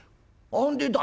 「あんでだ？」。